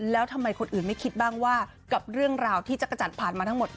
แล้วทำไมคนอื่นไม่คิดบ้างว่ากับเรื่องราวที่จักรจันทร์ผ่านมาทั้งหมด